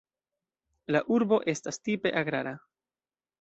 La urbo estas tipe agrara.